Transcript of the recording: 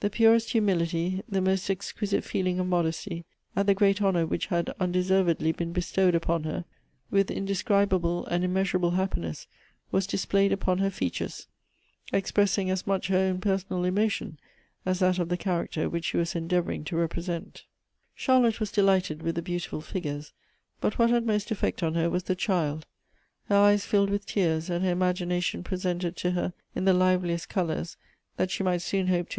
The purest humility, the most exquisite feeling of mod esty, at the great honor which had undeservedly been bestowed upon her, with indescribable and immeasurable happiness, was displayed upon her features, expressing as much her own personal emotion as that of the character which she was endeavoring to represent. Elective Affinities. 211 Charlotte was delighterl with the beautiful figures; but what had most eifeet on her was the chilrl. Her eyes filled with tears, and her imaginatioti presented to her in the liveliest colors that she might soon hope to ha.